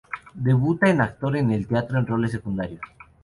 Debuta en actor en el teatro en roles secundarios.